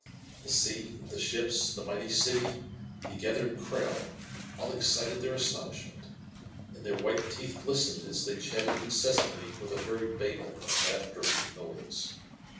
The sea, the ships, the mighty city, the gathered crowd, all excited their astonishment, and their white teeth glistened as they chatted incessantly with a very babel of laughter and noise.